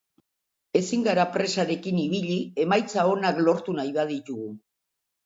Ezin gara presarekin ibili emaitza onak lortu nahi baditugu.